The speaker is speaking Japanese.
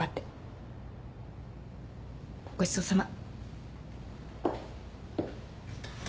ごちそうさま。